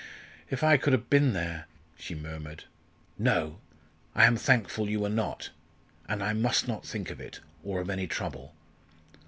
"If I could have been there!" she murmured. "No I am thankful you were not. And I must not think of it or of any trouble.